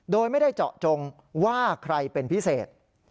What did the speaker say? โดยไม่ได้เจาะจงว่าใครเป็นพิเศษ